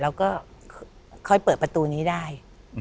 เราก็ค่อยเปิดประตูนี้ได้